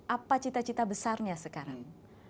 apa cita cita besarnya sekarang